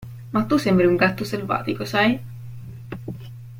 Ma tu sembri un gatto selvatico, sai?